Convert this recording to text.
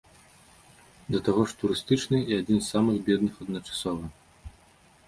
Да таго ж турыстычны і адзін з самых бедных адначасова.